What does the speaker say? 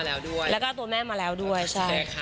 แล้วก็ตัวแม่มาแล้วด้วย